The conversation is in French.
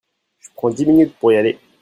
Je prends dix minutes pour y aller.